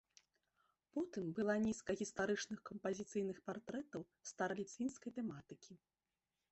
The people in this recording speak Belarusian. Потым была нізка гістарычных кампазіцыйных партрэтаў стараліцвінскай тэматыкі.